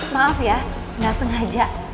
maaf ya gak sengaja